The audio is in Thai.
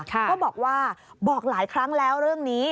ก็บอกว่าบอกหลายครั้งแล้วเรื่องนี้